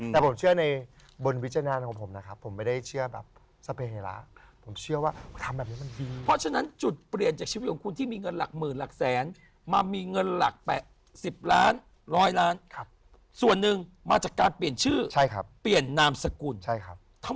แต่ผมเชื่อในบริวิจัยนานของผมนะครับ